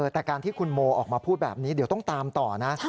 แต่การที่คุณโมออกมาพูดแบบนี้เดี๋ยวต้องตามต่อนะ